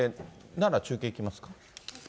奈良、中継行きますか。